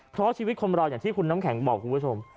เพราะชีวิตคนเราอย่างที่คุณน้ำแข็งบอกคุณผู้ชม